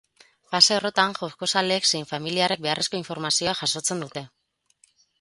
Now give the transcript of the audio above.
Fase horretan, jokozaleek zein familiarrek beharrezko informazioa jasotzen dute.